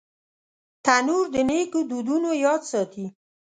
تنور د نیکو دودونو یاد ساتي